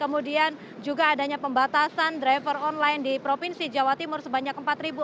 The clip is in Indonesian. kemudian juga adanya pembatasan driver online di provinsi jawa timur sebanyak empat empat ratus empat puluh lima